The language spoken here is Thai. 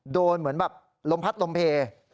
เหมือนแบบลมพัดลมเพล